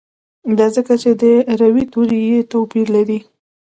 دا ځکه چې د روي توري یې توپیر لري.